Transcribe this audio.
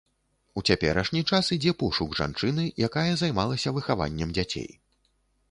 У цяперашні час ідзе пошук жанчыны, якая займалася выхаваннем дзяцей.